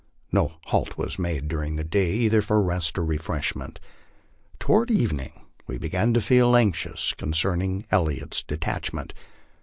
No halt was made during the day either for rest or refreshment. Toward evening we began to feel anxious concern ing Elliot's detachment.